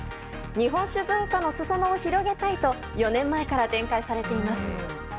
日本酒分化の裾野を広げたいと４年前から展開されています。